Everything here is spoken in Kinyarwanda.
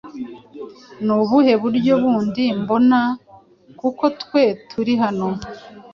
Ni ubuhe buryo bundi mbona, kuko twe turihano